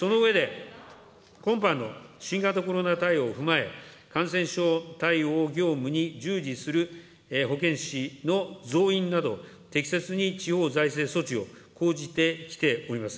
その上で、今般の新型コロナ対応を踏まえ、感染症対応業務に従事する保健師の増員など、適切に地方財政措置を講じてきております。